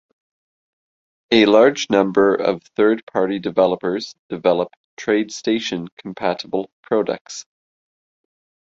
A large number of third-party developers develop TradeStation-compatible products.